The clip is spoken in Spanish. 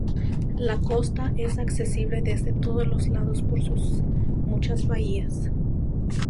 La costa es accesible desde todos los lados por sus muchas bahías.